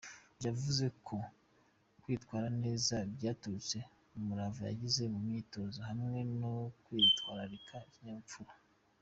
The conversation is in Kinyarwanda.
Yavuze ko kwitwara neza byaturutse ku murava yagize mu myitozo hamwe no kwitwararika ikinyabupfura.